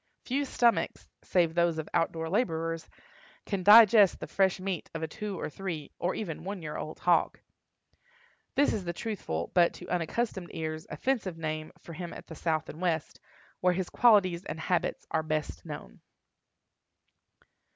Few stomachs, save those of out door laborers, can digest the fresh meat of a two or three, or even one year old hog. This is the truthful, but, to unaccustomed ears, offensive name for him at the South and West, where his qualities and habits are best known.